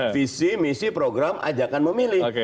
visi misi program ajakan memilih